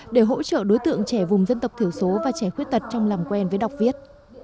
để hỗ trợ đối tượng trẻ vùng dân tộc thiểu số và trẻ khuyết tật trong làm quen với đọc viết